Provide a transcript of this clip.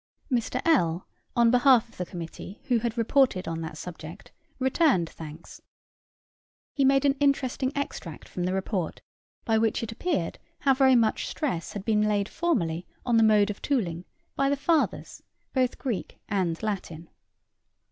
Mr. L., on behalf of the committee who had reported on that subject, returned thanks. He made an interesting extract from the report, by which it appeared how very much stress had been laid formerly on the mode of tooling, by the fathers, both Greek and Latin.